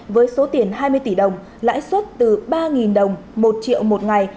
với số tiền hai mươi tỷ đồng lãi suất từ ba đồng một triệu một ngày